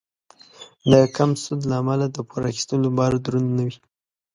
د کم سود له امله د پور اخیستلو بار دروند نه وي.